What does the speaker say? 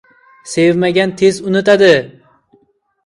• Sevmagan tez unutadi.